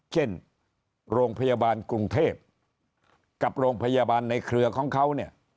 เช่นโรงพยาบาลกรุงเทพกับโรงพยาบาลในเครือของเขาเนี่ย